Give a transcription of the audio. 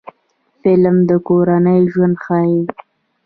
فلم د کورنۍ ژوند ښيي